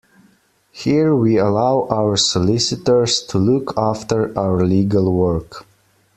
Here we allow our solicitors to look after our legal work.